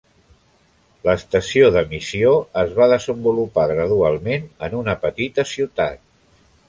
L'estació de missió es va desenvolupar gradualment en una petita ciutat.